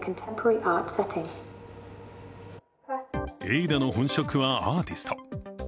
エイダの本職はアーティスト。